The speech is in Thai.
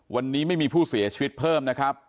วันนี้ไม่มีผู้เสียชีวิตเพิ่มนะครับ